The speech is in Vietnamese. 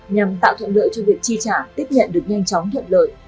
nhằm tạo thuận lợi cho việc chi trả tiếp nhận được nhanh chóng thuận lợi